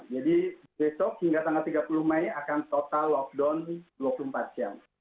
jadi besok hingga tanggal tiga puluh mei akan total lockdown dua puluh empat jam